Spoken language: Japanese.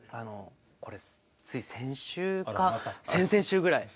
これつい先週か先々週ぐらい。